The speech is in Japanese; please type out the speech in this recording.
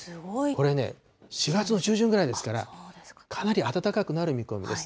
これね、４月の中旬ぐらいですから、かなり暖かくなる見込みです。